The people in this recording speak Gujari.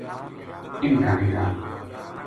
اِنھ کا ڈیرا